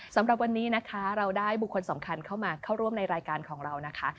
สำหรับวันนี้นะคะเราได้บุคคลสำคัญเข้ามาเข้าร่วมในรายการของเรานะคะ